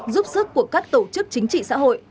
giúp sức của các tổ chức chính trị xã hội